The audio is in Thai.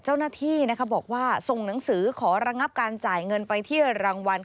เจ้าหน้าที่บอกว่าส่งหนังสือขอระงับการจ่ายเงินไปที่รางวัล